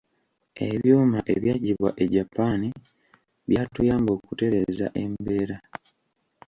Ebyuma ebyaggibwa e Japan byatuyamba okutereeza embeera.